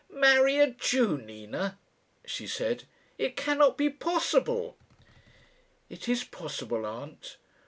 "Marry a Jew, Nina," she said; "it cannot be possible!" "It is possible, aunt.